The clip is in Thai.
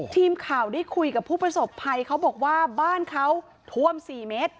ทีมข่าวได้คุยกับผู้ประสบภัยเขาบอกว่าบ้านเขาท่วม๔เมตร